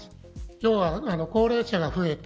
要は、高齢者が増えて